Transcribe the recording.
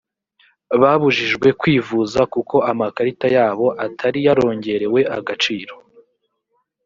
babujijwe kwivuza kuko amakarita yabo atari yarongerewe agaciro